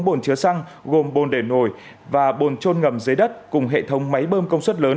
bốn bồn chứa xăng gồm bồn để nồi và bồn trôn ngầm dưới đất cùng hệ thống máy bơm công suất lớn